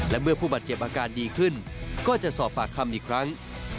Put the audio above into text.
และเมื่อผู้บาดเจ็บอาการดีขึ้นก็จะสอบปากคำอีกครั้ง